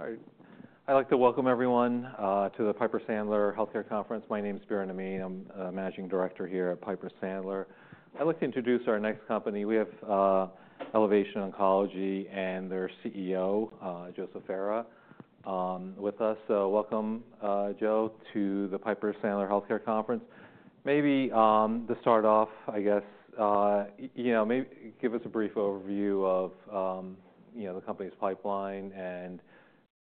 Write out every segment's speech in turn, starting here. All right. I'd like to welcome everyone to the Piper Sandler Healthcare Conference. My name's Biren Amin. I'm the Managing Director here at Piper Sandler. I'd like to introduce our next company. We have Elevation Oncology and their CEO, Joseph Ferra, with us. So welcome, Joe, to the Piper Sandler Healthcare Conference. Maybe to start off, I guess, you know, maybe give us a brief overview of, you know, the company's pipeline and,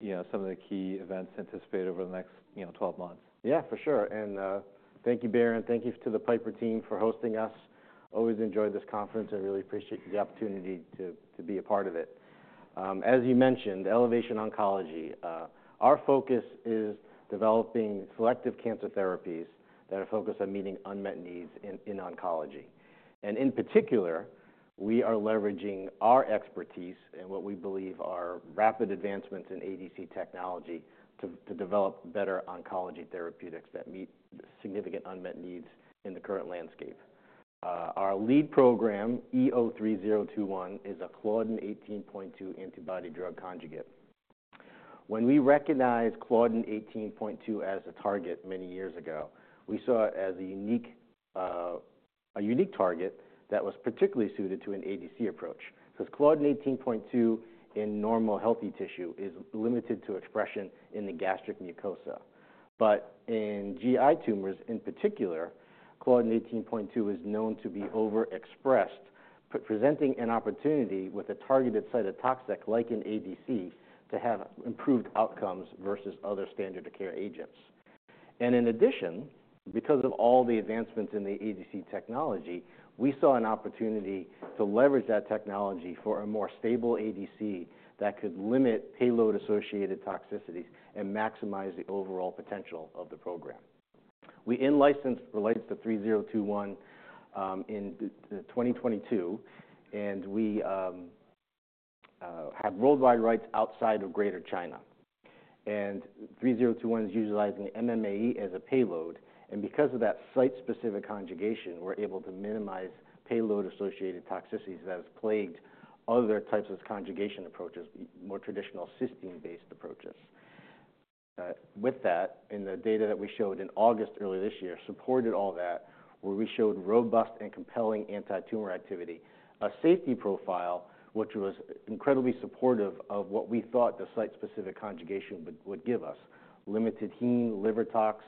you know, some of the key events anticipated over the next, you know, 12 months. Yeah, for sure. And thank you, Biren. Thank you to the Piper team for hosting us. Always enjoyed this conference. I really appreciate the opportunity to be a part of it. As you mentioned, Elevation Oncology, our focus is developing selective cancer therapies that are focused on meeting unmet needs in oncology. And in particular, we are leveraging our expertise and what we believe are rapid advancements in ADC technology to develop better oncology therapeutics that meet significant unmet needs in the current landscape. Our lead program, EO-3021, is a Claudin 18.2 antibody-drug conjugate. When we recognized Claudin 18.2 as a target many years ago, we saw it as a unique target that was particularly suited to an ADC approach. 'Cause Claudin 18.2 in normal healthy tissue is limited to expression in the gastric mucosa. But in GI tumors in particular, Claudin 18.2 is known to be overexpressed, presenting an opportunity with a targeted cytotoxic like an ADC to have improved outcomes versus other standard of care agents. And in addition, because of all the advancements in the ADC technology, we saw an opportunity to leverage that technology for a more stable ADC that could limit payload-associated toxicities and maximize the overall potential of the program. We in-licensed EO-3021 in 2022, and we have worldwide rights outside of Greater China. And EO-3021 is utilizing MMAE as a payload. And because of that site-specific conjugation, we're able to minimize payload-associated toxicities that have plagued other types of conjugation approaches, more traditional cysteine-based approaches. With that, and the data that we showed in August earlier this year supported all that, where we showed robust and compelling anti-tumor activity. A safety profile, which was incredibly supportive of what we thought the site-specific conjugation would give us: limited heme, liver tox,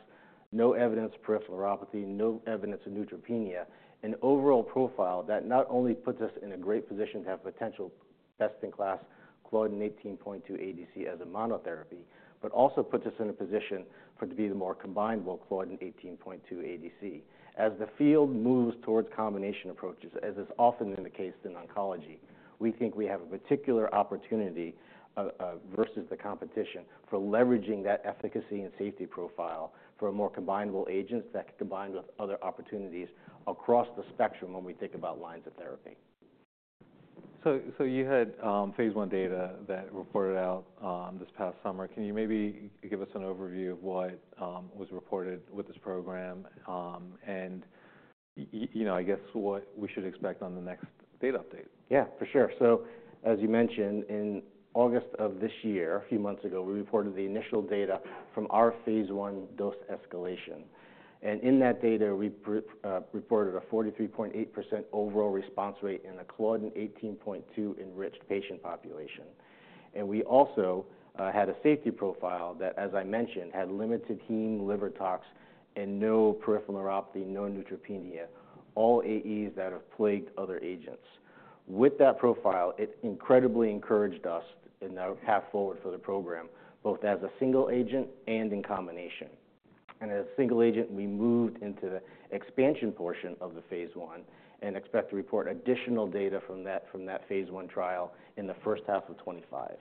no evidence of peripheral neuropathy, no evidence of neutropenia, an overall profile that not only puts us in a great position to have potential best-in-class Claudin 18.2 ADC as a monotherapy, but also puts us in a position for it to be the more combineable Claudin 18.2 ADC. As the field moves towards combination approaches, as is often the case in oncology, we think we have a particular opportunity, versus the competition for leveraging that efficacy and safety profile for a more combineable agent that can combine with other opportunities across the spectrum when we think about lines of therapy. You had phase one data that reported out this past summer. Can you maybe give us an overview of what was reported with this program, and you know, I guess what we should expect on the next data update? Yeah, for sure. So as you mentioned, in August of this year, a few months ago, we reported the initial data from our phase one dose escalation. And in that data, we reported a 43.8% overall response rate in a Claudin 18.2 enriched patient population. And we also had a safety profile that, as I mentioned, had limited heme, liver tox, and no peripheral neuropathy, no neutropenia, all AEs that have plagued other agents. With that profile, it incredibly encouraged us in our path forward for the program, both as a single agent and in combination. And as a single agent, we moved into the expansion portion of the phase one and expect to report additional data from that phase one trial in the first half of 2025.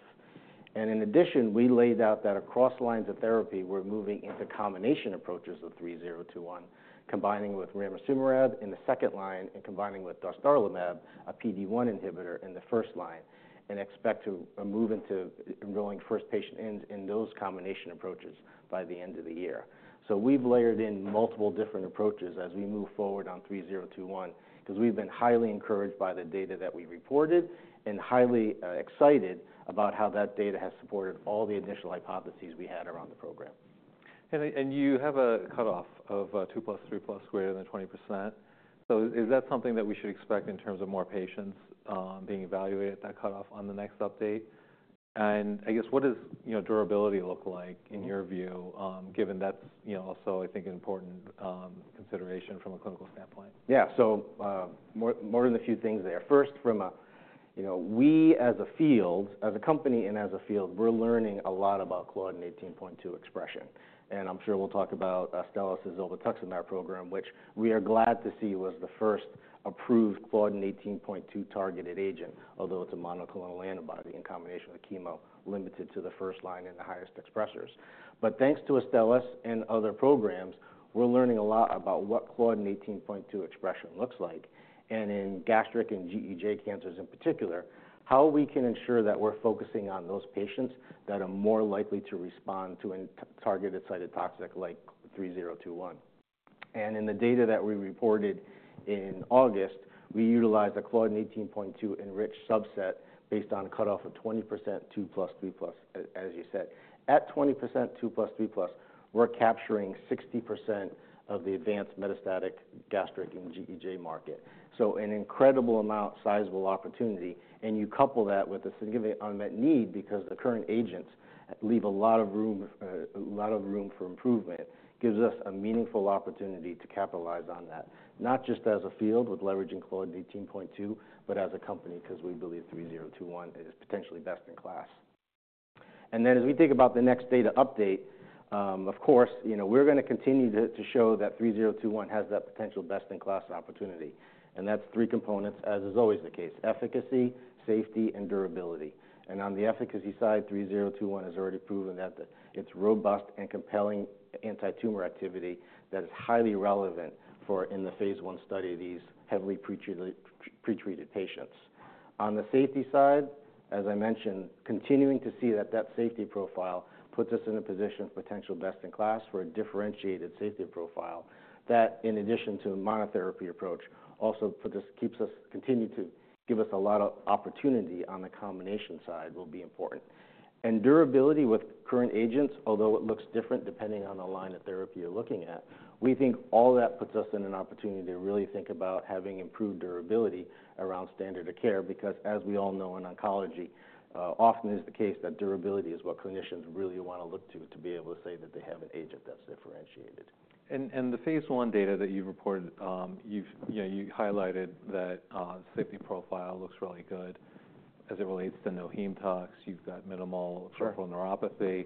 In addition, we laid out that across lines of therapy, we're moving into combination approaches of 3021, combining with ramucirumab in the second line and combining with dostarlimab, a PD-1 inhibitor, in the first line, and expect to move into enrolling first patients in those combination approaches by the end of the year. We've layered in multiple different approaches as we move forward on 3021 'cause we've been highly encouraged by the data that we reported and highly excited about how that data has supported all the initial hypotheses we had around the program. You have a cutoff of 2 plus, 3 plus greater than 20%. So is that something that we should expect in terms of more patients being evaluated at that cutoff on the next update? And I guess, what does, you know, durability look like in your view, given that's, you know, also, I think, an important consideration from a clinical standpoint? Yeah. So, more than a few things there. First, from a, you know, we as a field, as a company and as a field, we're learning a lot about Claudin 18.2 expression. And I'm sure we'll talk about Astellas' zolbetuximab program, which we are glad to see was the first approved Claudin 18.2 targeted agent, although it's a monoclonal antibody in combination with chemo, limited to the first line and the highest expressors. But thanks to Astellas and other programs, we're learning a lot about what Claudin 18.2 expression looks like. And in gastric and GEJ cancers in particular, how we can ensure that we're focusing on those patients that are more likely to respond to a targeted cytotoxic like 3021. And in the data that we reported in August, we utilized a Claudin 18.2 enriched subset based on cutoff of 20%, 2 plus, 3 plus, as you said. At 20%, 2 plus, 3 plus, we're capturing 60% of the advanced metastatic gastric and GEJ market. So an incredible amount, sizable opportunity. And you couple that with a significant unmet need because the current agents leave a lot of room, a lot of room for improvement, gives us a meaningful opportunity to capitalize on that, not just as a field with leveraging Claudin 18.2, but as a company 'cause we believe 3021 is potentially best in class. And then as we think about the next data update, of course, you know, we're gonna continue to show that 3021 has that potential best-in-class opportunity. And that's three components, as is always the case: efficacy, safety, and durability. And on the efficacy side, 3021 has already proven that it's robust and compelling anti-tumor activity that is highly relevant for, in the phase one study, these heavily pretreated patients. On the safety side, as I mentioned, continuing to see that that safety profile puts us in a position of potential best-in-class for a differentiated safety profile that, in addition to a monotherapy approach, also puts us, keeps us, continue to give us a lot of opportunity on the combination side will be important. And durability with current agents, although it looks different depending on the line of therapy you're looking at, we think all that puts us in an opportunity to really think about having improved durability around standard of care because, as we all know in oncology, often it is the case that durability is what clinicians really wanna look to, to be able to say that they have an agent that's differentiated. The phase one data that you've reported, you know, you highlighted that the safety profile looks really good as it relates to no heme tox. You've got minimal peripheral neuropathy. Sure.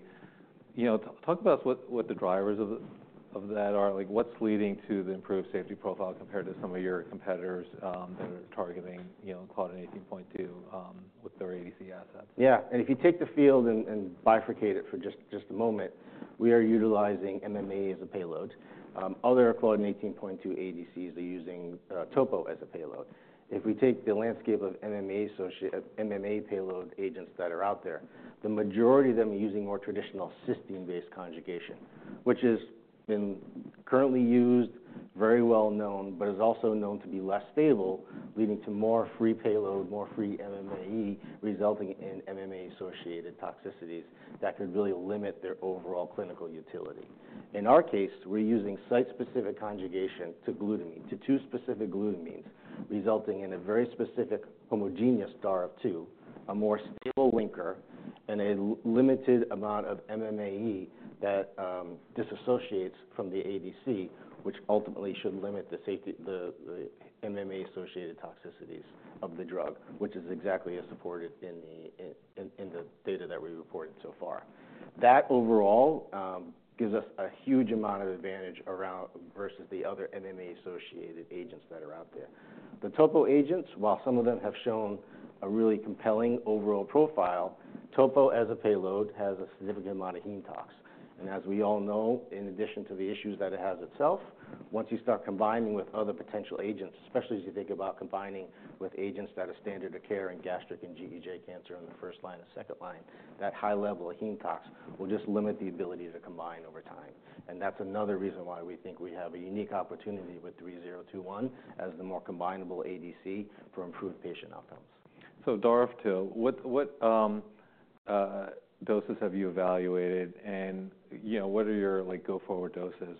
You know, talk to us what the drivers of that are. Like, what's leading to the improved safety profile compared to some of your competitors that are targeting, you know, Claudin 18.2, with their ADC assets? Yeah. And if you take the field and bifurcate it for just a moment, we are utilizing MMAE as a payload. Other Claudin 18.2 ADCs are using Topo as a payload. If we take the landscape of MMAE-associated MMAE payload agents that are out there, the majority of them are using more traditional cysteine-based conjugation, which has been currently used, very well known, but is also known to be less stable, leading to more free payload, more free MMAE, resulting in MMAE-associated toxicities that could really limit their overall clinical utility. In our case, we're using site-specific conjugation to glutamine, to two specific glutamines, resulting in a very specific homogeneous DAR of 2, a more stable linker, and a limited amount of MMAE that dissociates from the ADC, which ultimately should limit the MMA-associated toxicities of the drug, which is exactly as supported in the data that we reported so far. That overall gives us a huge amount of advantage over the other MMA-associated agents that are out there. The Topo agents, while some of them have shown a really compelling overall profile, Topo as a payload has a significant amount of heme tox. And as we all know, in addition to the issues that it has itself, once you start combining with other potential agents, especially as you think about combining with agents that are standard of care in gastric and GEJ cancer in the first line and second line, that high-level heme tox will just limit the ability to combine over time. And that's another reason why we think we have a unique opportunity with EO-3021 as the more combineable ADC for improved patient outcomes. DAR of 2, what doses have you evaluated? And, you know, what are your, like, go-forward doses,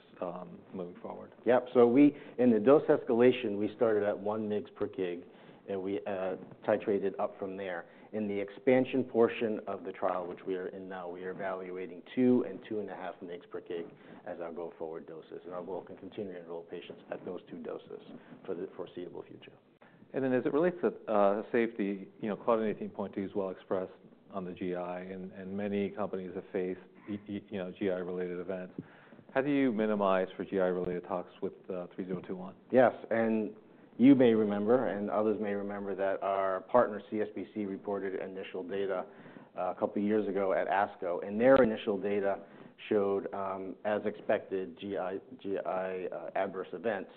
moving forward? Yep. So we in the dose escalation started at one mg per kg, and we titrated up from there. In the expansion portion of the trial, which we are in now, we are evaluating two and two and a half mg per kg as our go-forward doses. And we can continue to enroll patients at those two doses for the foreseeable future. And then, as it relates to safety, you know, Claudin 18.2 is well expressed on the GI, and many companies have faced, you know, GI-related events. How do you minimize for GI-related tox with 3021? Yes. And you may remember, and others may remember, that our partner CSPC reported initial data, a couple of years ago at ASCO. And their initial data showed, as expected, GI, GI, adverse events.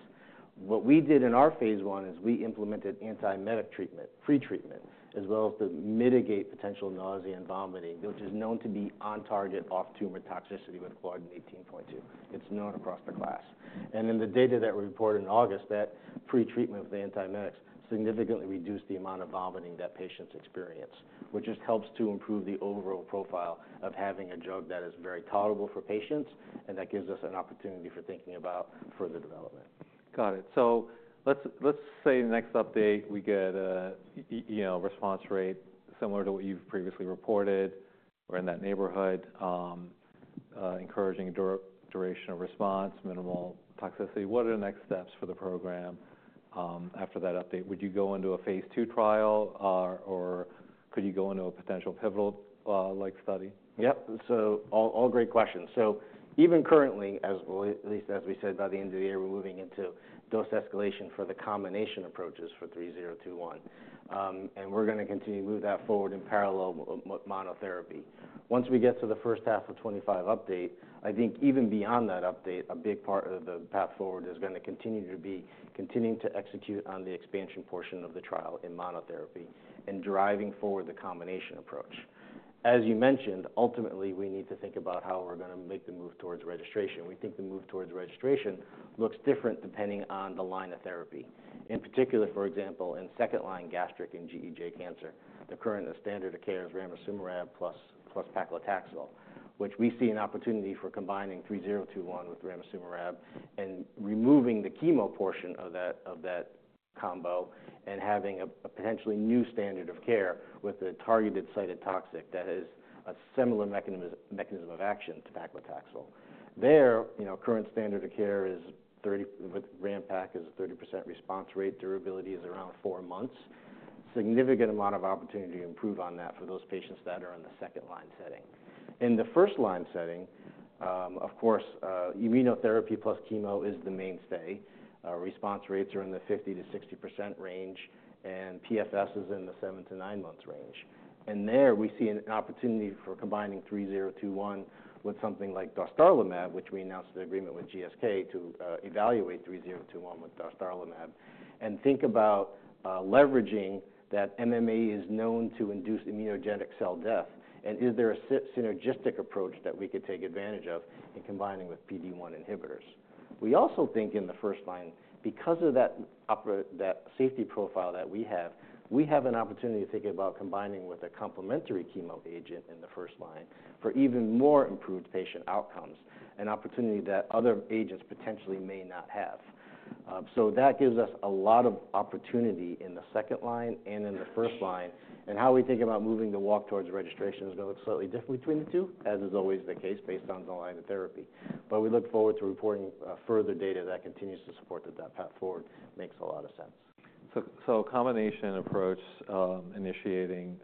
What we did in our phase one is we implemented anti-emetic treatment, pretreatment, as well as to mitigate potential nausea and vomiting, which is known to be on-target, off-tumor toxicity with Claudin 18.2. It's known across the class. And in the data that we reported in August, that pretreatment with the anti-emetics significantly reduced the amount of vomiting that patients experience, which just helps to improve the overall profile of having a drug that is very tolerable for patients and that gives us an opportunity for thinking about further development. Got it. So let's say next update we get, you know, response rate similar to what you've previously reported or in that neighborhood, encouraging duration of response, minimal toxicity. What are the next steps for the program, after that update? Would you go into a phase two trial, or could you go into a potential pivotal, like study? Yep. So all great questions. So even currently, as well, at least as we said, by the end of the year, we're moving into dose escalation for the combination approaches for 3021, and we're gonna continue to move that forward in parallel with monotherapy. Once we get to the first half of 2025 update, I think even beyond that update, a big part of the path forward is gonna continue to be continuing to execute on the expansion portion of the trial in monotherapy and driving forward the combination approach. As you mentioned, ultimately, we need to think about how we're gonna make the move towards registration. We think the move towards registration looks different depending on the line of therapy. In particular, for example, in second-line gastric and GEJ cancer, the current standard of care is ramucirumab plus paclitaxel, which we see an opportunity for combining 3021 with ramucirumab and removing the chemo portion of that combo and having a potentially new standard of care with a targeted cytotoxic that has a similar mechanism of action to paclitaxel. There you know current standard of care is 30 with RAMPAC is a 30% response rate. Durability is around four months. Significant amount of opportunity to improve on that for those patients that are in the second-line setting. In the first-line setting, of course, immunotherapy plus chemo is the mainstay. Response rates are in the 50-60% range, and PFS is in the seven to nine months range. And there we see an opportunity for combining 3021 with something like dostarlimab, which we announced the agreement with GSK to evaluate 3021 with dostarlimab and think about leveraging that MMAE is known to induce immunogenic cell death. And is there a synergistic approach that we could take advantage of in combining with PD-1 inhibitors? We also think in the first line, because of that opportunity that safety profile that we have, we have an opportunity to think about combining with a complementary chemo agent in the first line for even more improved patient outcomes, an opportunity that other agents potentially may not have. So that gives us a lot of opportunity in the second line and in the first line. And how we think about moving the walk towards registration is gonna look slightly different between the two, as is always the case based on the line of therapy. But we look forward to reporting further data that continues to support that that path forward makes a lot of sense. A combination approach, initiating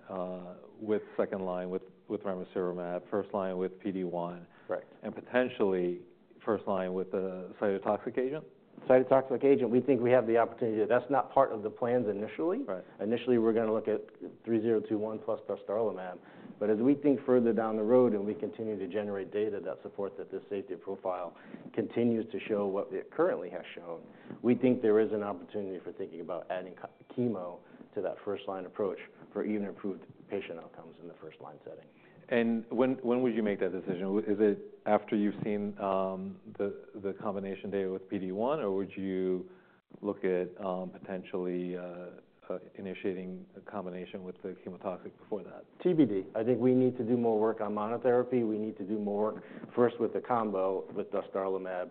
with second line with ramucirumab, first line with PD-1. Correct. Potentially first line with the cytotoxic agent? Cytotoxic agent, we think we have the opportunity to. That's not part of the plans initially. Right. Initially, we're gonna look at 3021 plus dostarlimab. But as we think further down the road and we continue to generate data that support that this safety profile continues to show what it currently has shown, we think there is an opportunity for thinking about adding chemo to that first-line approach for even improved patient outcomes in the first-line setting. When would you make that decision? Is it after you've seen the combination data with PD-1, or would you look at potentially initiating a combination with the chemotoxic before that? TBD. I think we need to do more work on monotherapy. We need to do more work first with the combo with dostarlimab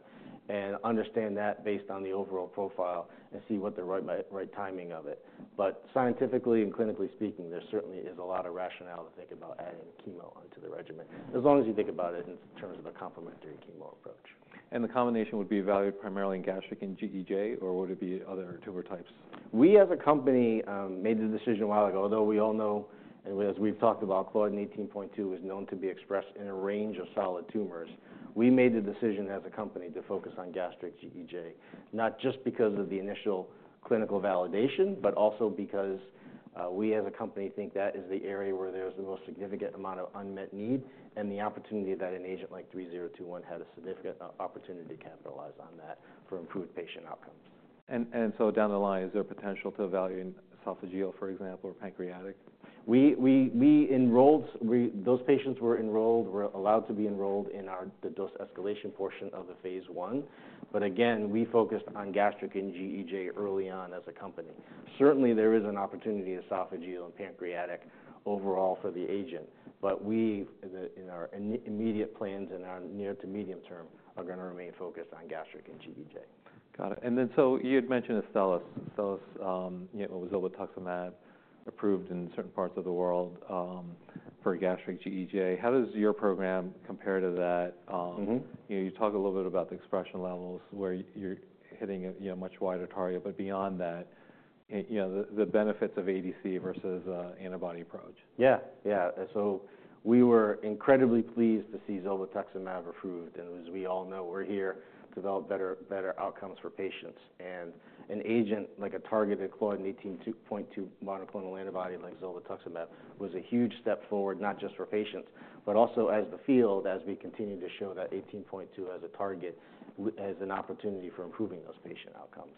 and understand that based on the overall profile and see what the right timing of it, but scientifically and clinically speaking, there certainly is a lot of rationale to think about adding chemo onto the regimen as long as you think about it in terms of a complementary chemo approach. The combination would be evaluated primarily in gastric and GEJ, or would it be other tumor types? We, as a company, made the decision a while ago, although we all know, and as we've talked about, Claudin 18.2 is known to be expressed in a range of solid tumors. We made the decision as a company to focus on gastric GEJ, not just because of the initial clinical validation, but also because, we, as a company, think that is the area where there's the most significant amount of unmet need and the opportunity that an agent like 3021 had a significant opportunity to capitalize on that for improved patient outcomes. Down the line, is there a potential to evaluate esophageal, for example, or pancreatic? We enrolled. Those patients were allowed to be enrolled in the dose escalation portion of the phase one, but again, we focused on gastric and GEJ early on as a company. Certainly, there is an opportunity in esophageal and pancreatic overall for the agent, but we, in our immediate plans and our near to medium term, are gonna remain focused on gastric and GEJ. Got it. And then so you had mentioned Astellas. Astellas, you know, was zolbetuximab approved in certain parts of the world, for gastric GEJ. How does your program compare to that? Mm-hmm. You know, you talk a little bit about the expression levels where you're hitting a, you know, much wider target. But beyond that, you know, the benefits of ADC versus a antibody approach. Yeah. Yeah. And so we were incredibly pleased to see zolbetuximab approved. And as we all know, we're here to develop better, better outcomes for patients. And an agent like a targeted Claudin 18.2 monoclonal antibody like zolbetuximab was a huge step forward, not just for patients, but also as the field, as we continue to show that 18.2 as a target was an opportunity for improving those patient outcomes.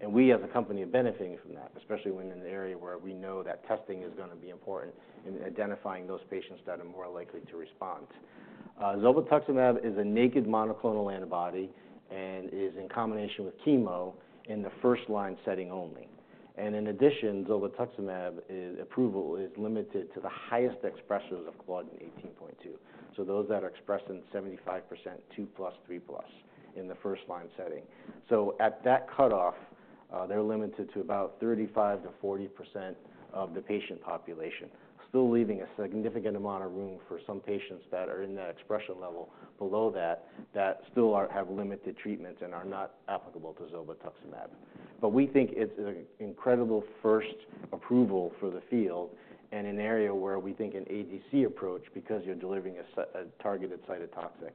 And we, as a company, are benefiting from that, especially when in an area where we know that testing is gonna be important in identifying those patients that are more likely to respond. Zolbetuximab is a naked monoclonal antibody and is in combination with chemo in the first-line setting only. And in addition, zolbetuximab's approval is limited to the highest expressors of Claudin 18.2, so those that are expressed in 75%, 2 plus, 3 plus in the first-line setting. So at that cutoff, they're limited to about 35%-40% of the patient population, still leaving a significant amount of room for some patients that are in that expression level below that, that still have limited treatments and are not applicable to zolbetuximab. But we think it's an incredible first approval for the field and an area where we think an ADC approach, because you're delivering as a targeted cytotoxic,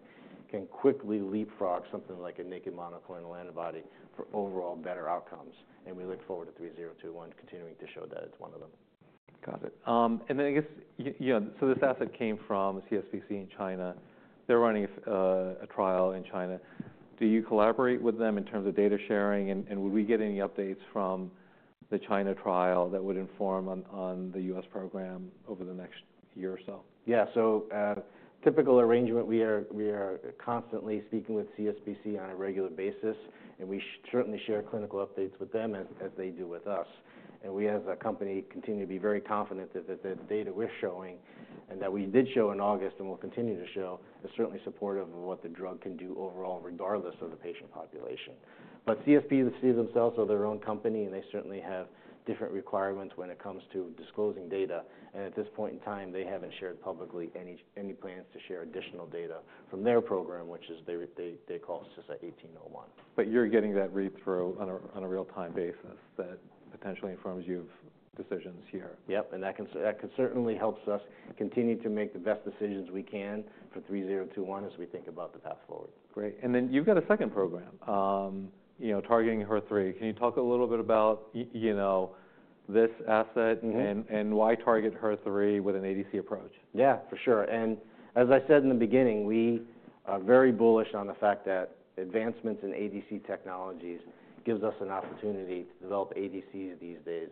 can quickly leapfrog something like a naked monoclonal antibody for overall better outcomes. And we look forward to 3021 continuing to show that it's one of them. Got it. And then I guess, you know, so this asset came from CSPC in China. They're running a trial in China. Do you collaborate with them in terms of data sharing? And would we get any updates from the China trial that would inform on the US program over the next year or so? Yeah. So, typical arrangement, we are constantly speaking with CSPC on a regular basis, and we certainly share clinical updates with them as they do with us. And we, as a company, continue to be very confident that the data we're showing and that we did show in August and will continue to show is certainly supportive of what the drug can do overall, regardless of the patient population. But CSP and the CS themselves are their own company, and they certainly have different requirements when it comes to disclosing data. And at this point in time, they haven't shared publicly any plans to share additional data from their program, which they call SYSA1801. But you're getting that read-through on a real-time basis that potentially informs you of decisions here. Yep. And that can certainly help us continue to make the best decisions we can for 3021 as we think about the path forward. Great, and then you've got a second program, you know, targeting HER3. Can you talk a little bit about, you know, this asset. Mm-hmm. Why target HER3 with an ADC approach? Yeah, for sure. And as I said in the beginning, we are very bullish on the fact that advancements in ADC technologies gives us an opportunity to develop ADCs these days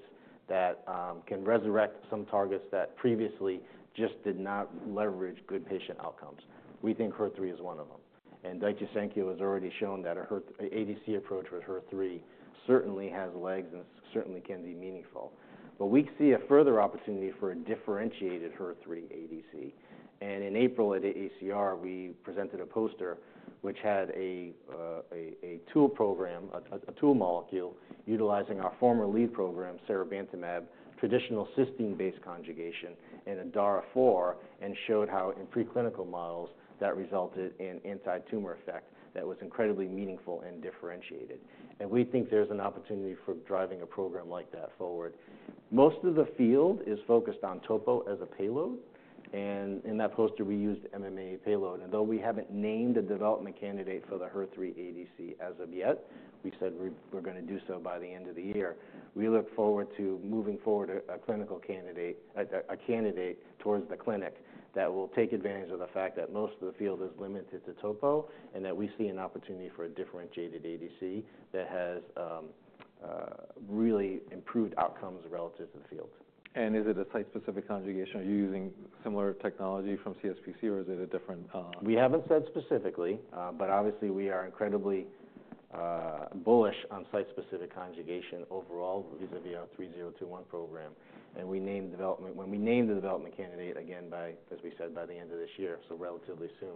that can resurrect some targets that previously just did not leverage good patient outcomes. We think HER3 is one of them. And Daiichi Sankyo has already shown that a HER ADC approach with HER3 certainly has legs and certainly can be meaningful. But we see a further opportunity for a differentiated HER3 ADC. And in April at AACR, we presented a poster which had a tool program, a tool molecule utilizing our former lead program, seribantumab, traditional cysteine-based conjugation, and a DAR of 4, and showed how in preclinical models that resulted in anti-tumor effect that was incredibly meaningful and differentiated. And we think there's an opportunity for driving a program like that forward. Most of the field is focused on topo as a payload, and in that poster, we used MMAE payload. Though we haven't named a development candidate for the HER3 ADC as of yet, we said we're gonna do so by the end of the year. We look forward to moving forward a clinical candidate towards the clinic that will take advantage of the fact that most of the field is limited to topo and that we see an opportunity for a differentiated ADC that has really improved outcomes relative to the field. Is it a site-specific conjugation? Are you using similar technology from CSPC, or is it a different? We haven't said specifically, but obviously, we are incredibly bullish on site-specific conjugation overall vis-à-vis our 3021 program. And we named development when we named the development candidate again by, as we said, by the end of this year, so relatively soon.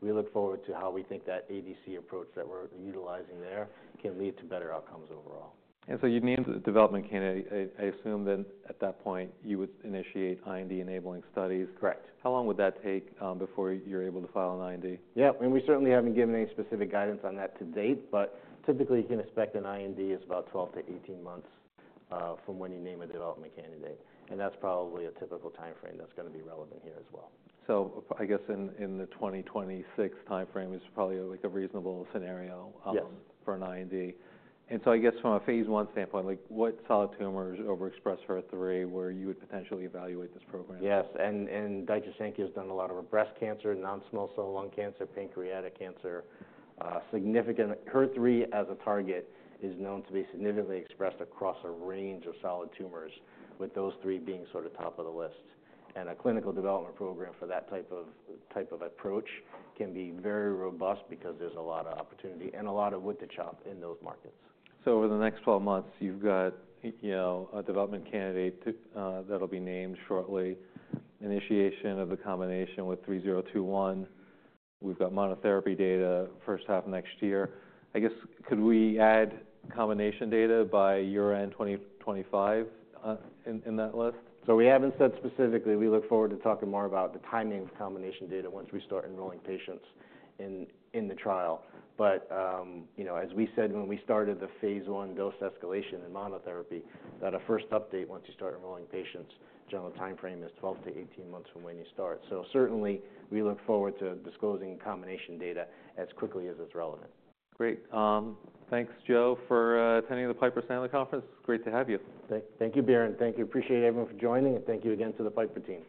We look forward to how we think that ADC approach that we're utilizing there can lead to better outcomes overall. And so you named the development candidate. I assume then at that point, you would initiate IND-enabling studies. Correct. How long would that take, before you're able to file an IND? Yeah. And we certainly haven't given any specific guidance on that to date, but typically, you can expect an IND is about 12 to 18 months, from when you name a development candidate. And that's probably a typical timeframe that's gonna be relevant here as well. So I guess in the 2026 timeframe is probably, like, a reasonable scenario. Yes. For an IND. And so I guess from a phase one standpoint, like, what solid tumors overexpress HER3, where you would potentially evaluate this program? Yes. And Daiichi Sankyo has done a lot of breast cancer, non-small cell lung cancer, pancreatic cancer. Significant HER3 as a target is known to be significantly expressed across a range of solid tumors, with those three being sort of top of the list. And a clinical development program for that type of approach can be very robust because there's a lot of opportunity and a lot of wood to chop in those markets. Over the next 12 months, you've got, you know, a development candidate too that'll be named shortly, initiation of the combination with 3021. We've got monotherapy data first half next year. I guess, could we add combination data by year-end 2025 in that list? We haven't said specifically. We look forward to talking more about the timing of combination data once we start enrolling patients in the trial. But, you know, as we said when we started the phase one dose escalation and monotherapy, that a first update once you start enrolling patients, general timeframe is 12-18 months from when you start. So certainly, we look forward to disclosing combination data as quickly as it's relevant. Great. Thanks, Joe, for attending the Piper Sandler Conference. It's great to have you. Thank you, Biren. Thank you. Appreciate everyone for joining, and thank you again to the Piper team.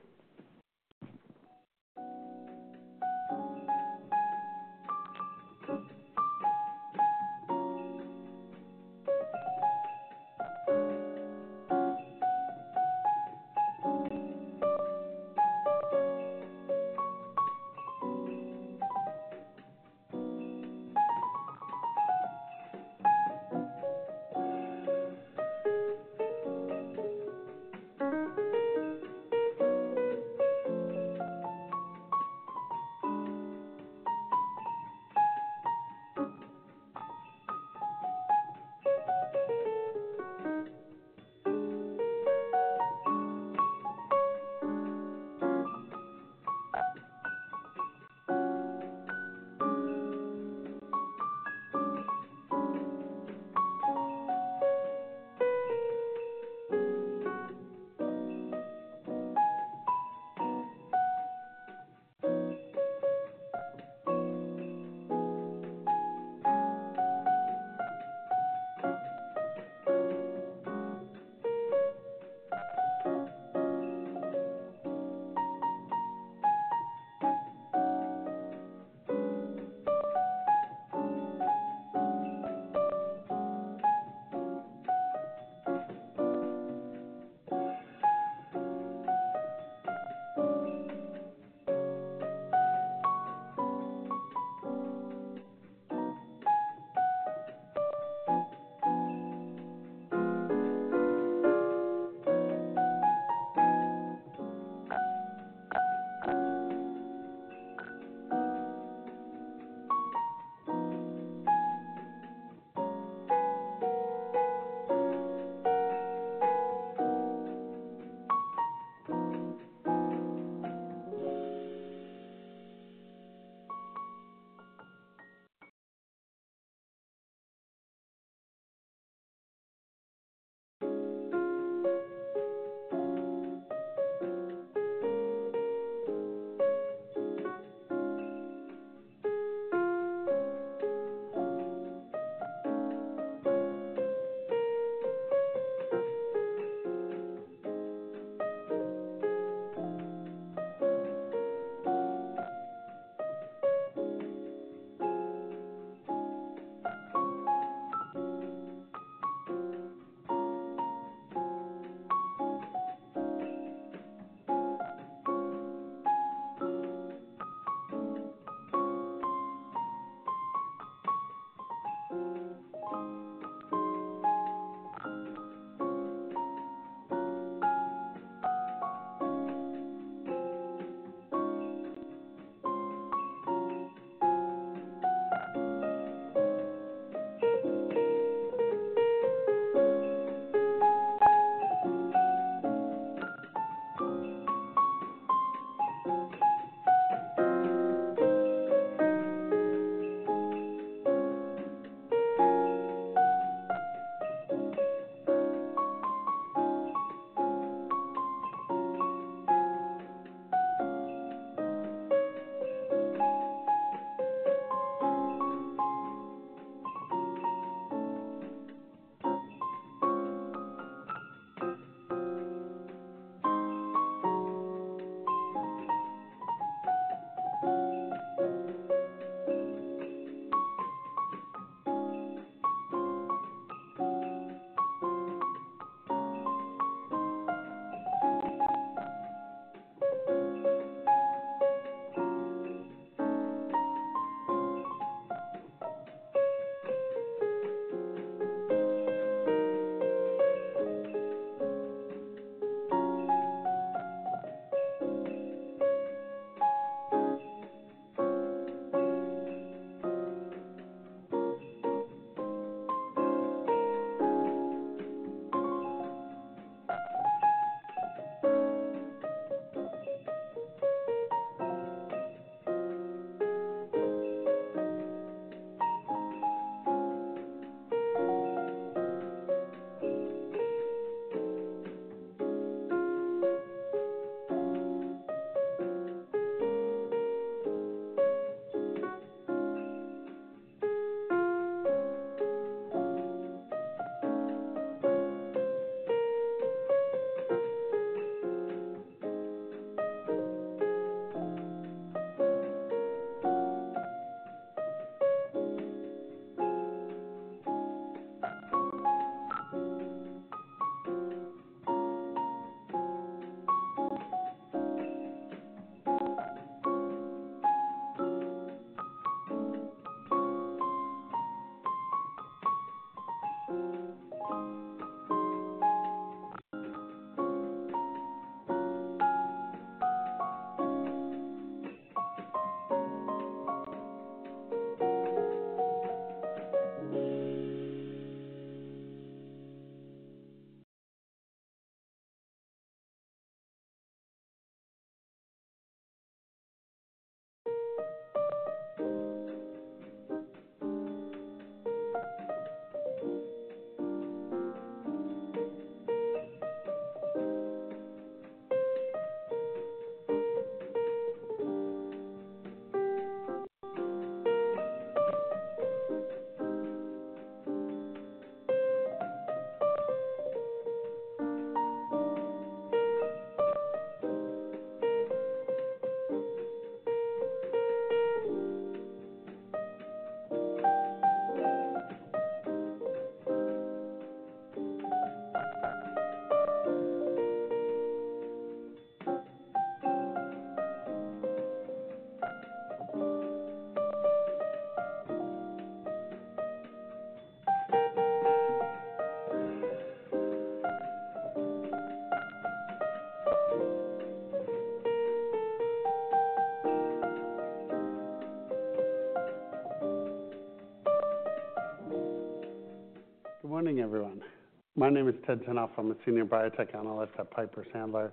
Good morning, everyone. My name is Ted Tenthoff. I'm a senior biotech analyst at Piper Sandler,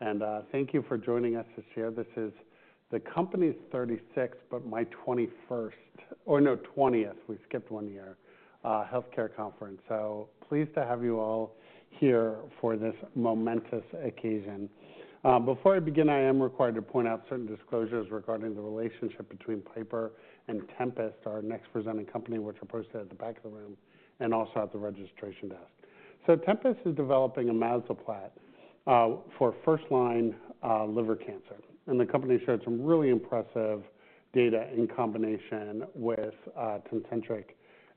and thank you for joining us this year. This is the company's 36th, but my 21st or, no, 20th. We skipped one year Healthcare Conference. Pleased to have you all here for this momentous occasion. Before I begin, I am required to point out certain disclosures regarding the relationship between Piper and Tempest, our next presenting company, which are posted at the back of the room and also at the registration desk. Tempest is developing amezalpat for first-line liver cancer. The company shared some really impressive data in combination with Tecentriq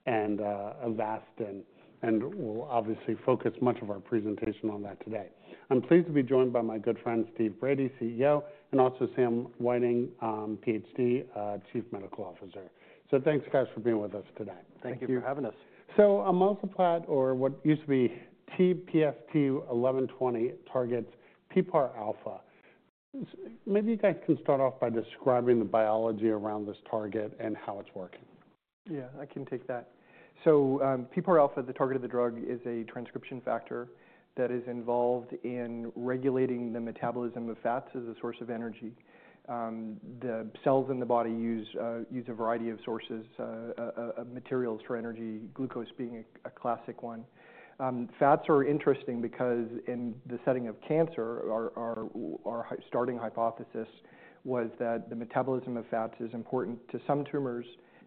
and Avastin. We'll obviously focus much of our presentation on that today. I'm pleased to be joined by my good friend Steve Brady, CEO, and also Sam Whiting, PhD, Chief Medical Officer. Thanks, guys, for being with us today. Thank you for having us. Thank you. So amezalpat, or what used to be TPST-1120, targets PPAR-alpha. Maybe you guys can start off by describing the biology around this target and how it's working. Yeah, I can take that. So, PPAR-alpha, the target of the drug, is a transcription factor that is involved in regulating the metabolism of fats as a source of energy. The cells in the body use a variety of sources, materials for energy, glucose being a classic one. Fats are interesting because in the setting of cancer, our starting hypothesis was that the metabolism of fats is important to some tumors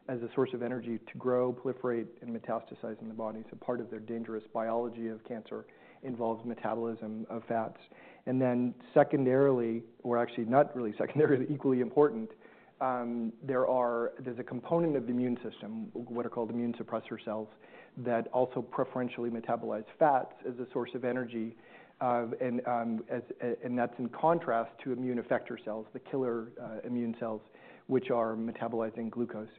as a source of energy to grow, proliferate, and metastasize in the body. So part of their dangerous biology of cancer involves metabolism of fats. Then, secondarily, or actually not really secondarily, equally important, there is a component of the immune system, what are called immune suppressor cells, that also preferentially metabolize fats as a source of energy. And that's in contrast to immune effector cells, the killer immune cells, which are metabolizing glucose.